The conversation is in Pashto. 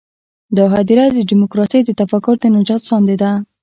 دا هدیره د ډیموکراسۍ د تفکر د نجات ساندې ده.